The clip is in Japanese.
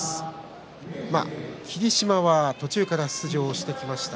霧島は途中から出場してきました。